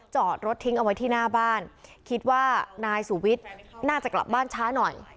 จอดรถทิ้งเอาไว้ที่หน้าบ้านคิดว่านายสุวิทย์น่าจะกลับบ้านช้าหน่อย